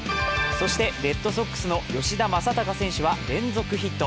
そしてレッドソックスの吉田正尚選手は連続ヒット。